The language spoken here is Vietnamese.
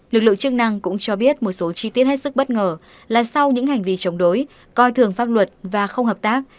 lực lượng chức năng cũng cho biết một số chi tiết hết sức bất ngờ là sau những hành vi chống đối coi thường pháp luật và không hợp tác